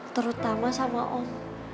terutama sama om